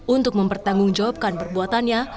untuk mempertanggung jawabkan perbuatannya